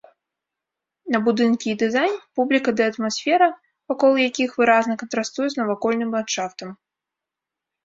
На будынкі і дызайн, публіка ды атмасфера вакол якіх выразна кантрастуе з навакольным ландшафтам.